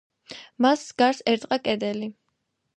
მას გარს ერტყა კედელი.